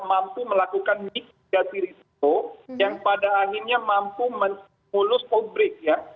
mampu melakukan mix data risiko yang pada akhirnya mampu melus outbreak ya